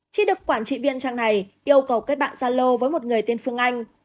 khi được quản trị viên trang này yêu cầu kết bạn gia lô với một người tên phương anh